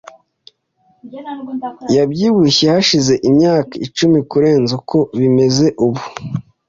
Yabyibushye hashize imyaka icumi kurenza uko bimeze ubu .